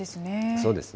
そうですね。